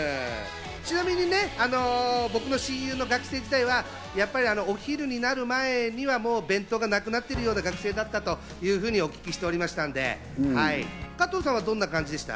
ちなみに僕の親友の学生時代は、やっぱり、お昼になる前には、もう弁当がなくなってるような学生だったというふうにお聞きしておりましたんで、加藤さんはどんな感じでした？